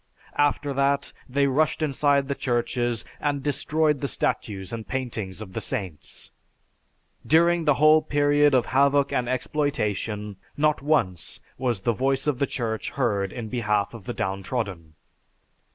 After that, they rushed inside the churches and destroyed the statues and paintings of the saints. During the whole period of havoc and exploitation, not once was the voice of the Church heard in behalf of the downtrodden.